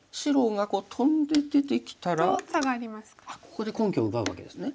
ここで根拠を奪うわけですね。